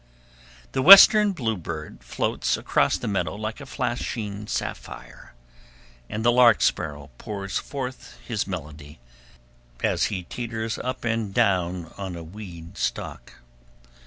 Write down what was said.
The Western bluebird floats across the meadow like a flashing sapphire, and the lark sparrow pours forth his melody, as he teeters up and down on a weed stalk.